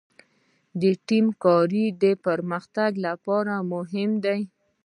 د ټیم کار د پرمختګ لپاره مهم دی.